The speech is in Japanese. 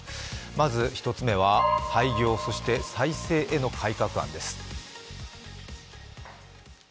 まず１つ目は廃業そして再生への改革案です。